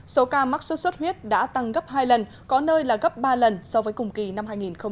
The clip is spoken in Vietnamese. số ca mắc sốt xuất huyết đã tăng gấp hai lần có nơi là gấp ba lần so với cùng kỳ năm hai nghìn một mươi tám